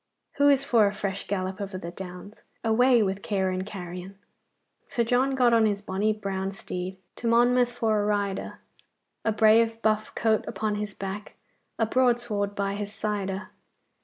'Who is for a fresh gallop over the Downs? Away with care and carrion! "Sir John got on his bonny brown steed, To Monmouth for to ride a. A brave buff coat upon his back, A broadsword by his side a.